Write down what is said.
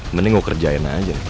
mending aku kerjain aja